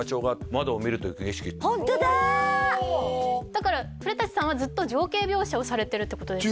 だから古さんはずっと情景描写をされてるってことですか？